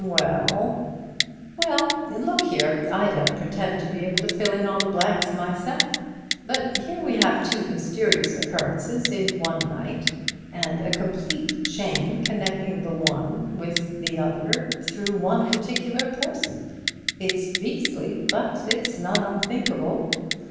"Well—" "Well, look here, I don't pretend to be able to fill in all the blanks myself. But here we have two mysterious occurrences in one night, and a complete chain connecting the one with another through one particular person. It's beastly, but it's not unthinkable."